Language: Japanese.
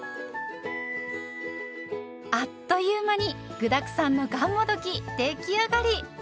あっという間に具だくさんのがんもどき出来上がり。